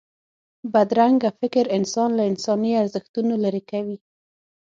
بدرنګه فکر انسان له انساني ارزښتونو لرې کوي